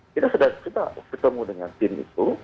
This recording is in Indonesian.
kita sudah coba ketemu dengan tim itu